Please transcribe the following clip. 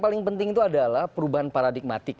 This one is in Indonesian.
paling penting itu adalah perubahan paradigmatik